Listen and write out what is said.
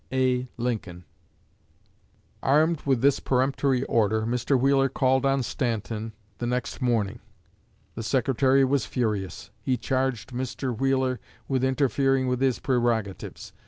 A. LINCOLN." Armed with this peremptory order, Mr. Wheeler called on Stanton the next morning. The Secretary was furious. He charged Mr. Wheeler with interfering with his prerogatives. Mr.